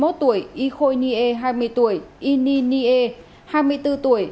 đối tượng gồm y phương nghê hai mươi một tuổi y khôi nghê hai mươi tuổi y nhi nghê hai mươi bốn tuổi